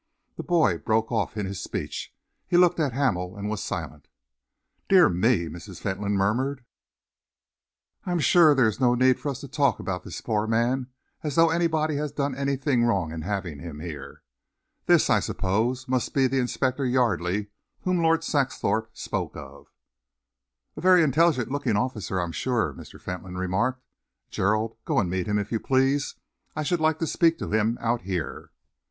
The boy broke off in his speech. He looked at Hamel and was silent. "Dear me," Mrs. Fentolin murmured, "I am sure there is no need for us to talk about this poor man as though anybody had done anything wrong in having him here. This, I suppose, must be the Inspector Yardley whom Lord Saxthorpe spoke of." "A very intelligent looking officer, I am sure," Mr. Fentolin remarked. "Gerald, go and meet him, if you please. I should like to speak to him out here."